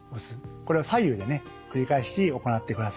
これを左右でね繰り返し行ってください。